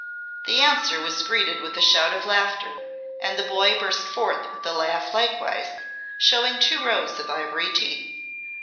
The answer was greeted with a shout of laughter, and the boy burst forth with a laugh likewise, showing two rows of ivory teeth.